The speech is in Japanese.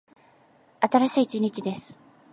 新しい一日です。